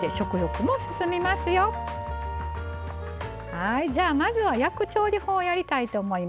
はいじゃあまずは焼く調理法をやりたいと思います。